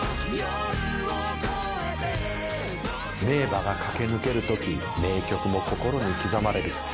名馬が駆け抜けるとき名曲も心に刻まれる。